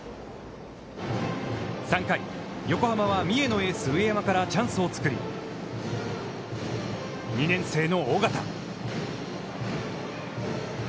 ３回、横浜は三重のエース上山からチャンスを作り、２年生の緒方。